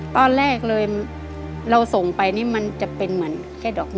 ตอนแรกเลยเราส่งไปนี่มันจะเป็นเหมือนแค่ดอก